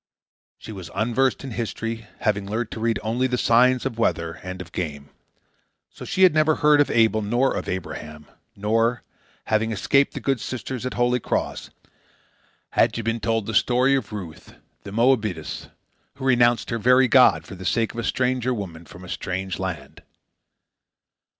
She was unversed in history, having learned to read only the signs of weather and of game; so she had never heard of Abel nor of Abraham; nor, having escaped the good sisters at Holy Cross, had she been told the story of Ruth, the Moabitess, who renounced her very God for the sake of a stranger woman from a strange land.